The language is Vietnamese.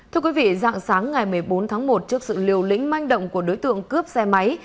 thưa quý vị dạng sáng ngày một mươi bốn tháng một trước sự liều lĩnh manh động của đối tượng cướp xe máy